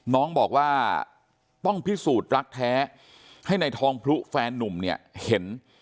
น้องบอกว่าต้องพิสูจน์รักแท้ให้ในทองพลุแฟนนุ่มเนี่ยเห็น